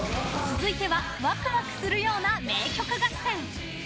続いてはワクワクするような名曲合戦。